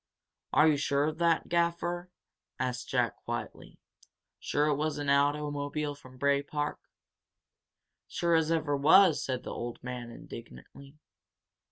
"Are you sure of that, Gaffer?" asked Jack, quietly. "Sure that it was an automobile from Bray Park?" "Sure as ever was!" said the old man, indignantly.